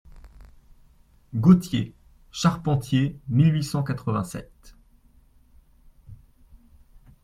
GAUTIER (Charpentier, mille huit cent quatre-vingt-sept.